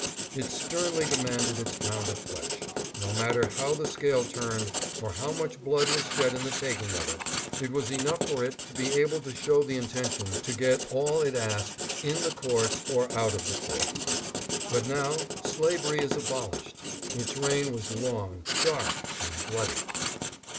It sternly demanded its pound of flesh, no matter how the scale turned or how much blood was shed in the taking of it. It was enough for it to be able to show the intention to get all it asked in the courts or out of the courts. But now slavery is abolished. Its reign was long, dark and bloody.